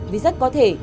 vì rất có thể